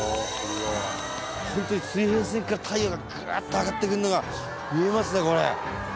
ホントに水平線から太陽がぐわっと上がってくるのが見えますねこれ。